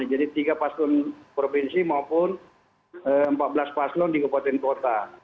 jadi tiga paslon provinsi maupun empat belas paslon di gubupaten kota